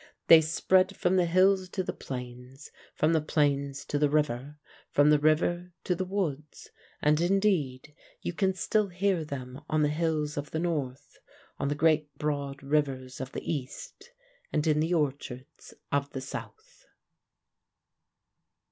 They spread from the hills to the plains, from the plains to the river, from the river to the woods, and indeed you can still hear them on the hills of the north, on the great broad rivers of the east, and in the orchards of the south."